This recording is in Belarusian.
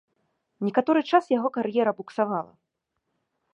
Некаторы час яго кар'ера буксавала.